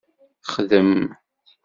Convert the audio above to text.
Xdem!